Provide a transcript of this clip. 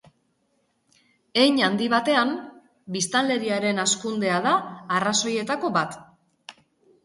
Hein handi batean, biztanleriaren hazkundea da arrazoietako bat.